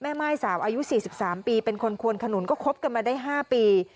ม่ายสาวอายุ๔๓ปีเป็นคนควนขนุนก็คบกันมาได้๕ปี